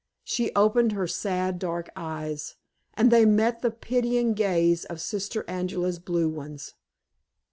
She opened her sad, dark eyes, and they met the pitying gaze of Sister Angela's blue ones.